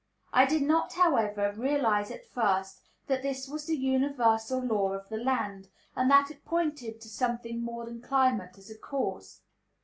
I did not, however, realize at first that this was the universal law of the land, and that it pointed to something more than climate as a cause.